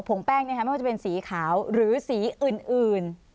งแป้งไม่ว่าจะเป็นสีขาวหรือสีอื่น